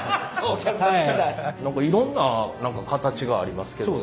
何かいろんな形がありますけど。